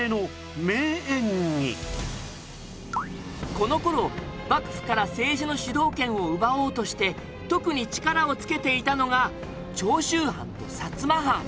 この頃幕府から政治の主導権を奪おうとして特に力をつけていたのが長州藩と薩摩藩。